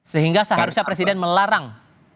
sehingga seharusnya presiden melarang